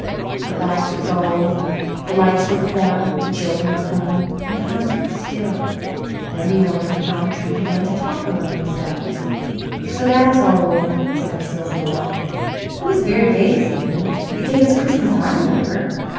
At last it was all over. The lights were put out, the children went home, and the house grew still. Then the ornaments on the tree began to talk among themselves. "So that is all over," said a silver ball. "It was very gay this evening the gayest Christmas I remember."